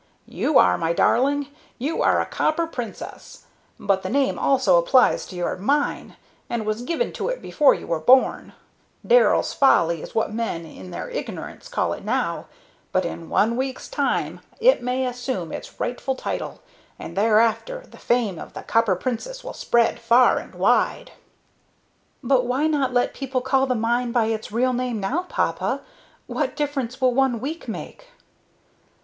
"You are, my darling, you are a copper princess; but the name also applies to your mine, and was given to it before you were born. 'Darrell's Folly' is what men, in their ignorance, call it now, but in one week's time it may assume its rightful title, and thereafter the fame of the Copper Princess will spread far and wide." "But why not let people call the mine by its real name now, papa? What difference will one week make?"